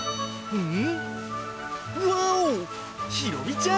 うん！